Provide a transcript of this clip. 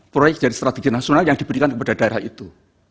proyek dari strategi nasional yang diberikan kepada daerah itu